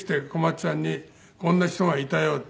っちゃんにこんな人がいたよって。